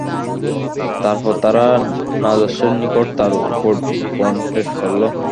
তারপর তারা নাজ্জাশীর নিকট তার উপঢৌকন পেশ করল।